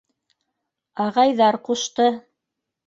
— Ағайҙар ҡушты.